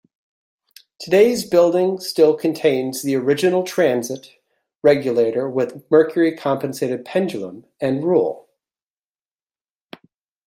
Today's building still contains the original transit, regulator with mercury-compensated pendulum, and rule.